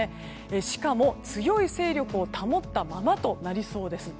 しかも強い勢力を保ったままとなりそうです。